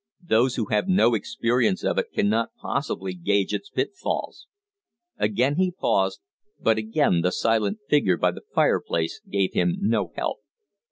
Those who have no experience of it cannot possibly gauge its pitfalls " Again he paused, but again the silent figure by the fireplace gave him no help.